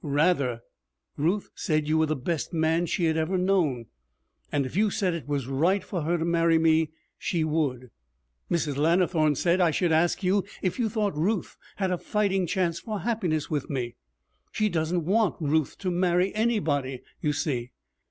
'Rather! Ruth said you were the best man she had ever known, and if you said it was right for her to marry me, she would. Mrs. Lannithorne said I should ask you if you thought Ruth had a fighting chance for happiness with me. She doesn't want Ruth to marry anybody, you see.